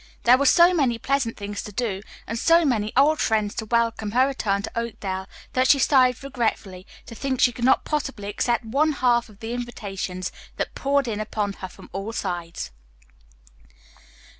There were so many pleasant things to do and so many old friends to welcome her return to Oakdale that she sighed regretfully to think she could not possibly accept one half of the invitations that poured in upon her from all sides.